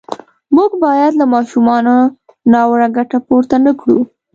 موږ باید له ماشومانو ناوړه ګټه پورته نه کړو.